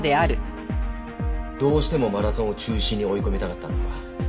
どうしてもマラソンを中止に追い込みたかったのか。